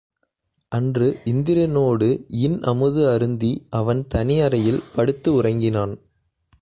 அன்று இந்திரனோடு இன் அமுது அருந்தி அவன் தனி அறையில் படுத்து உறங்கினான்.